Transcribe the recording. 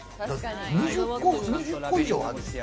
２０個以上ある。